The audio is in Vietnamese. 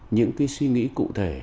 những cái suy nghĩ cụ thể